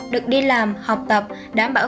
được đi làm học tập đảm bảo